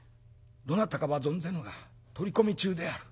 「どなたかは存ぜぬが取り込み中である。